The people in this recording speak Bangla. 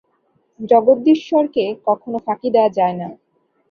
জগদীশ্বরকে কখনও ফাঁকি দেওয়া যায় না।